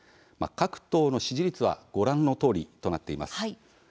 各党の支持率はご覧のとおりとなっています。